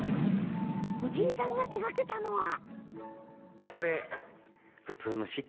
藤井さんが手がけたのが。